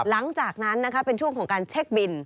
หลังจากนั้นเป็นช่วงของการเช็คบิน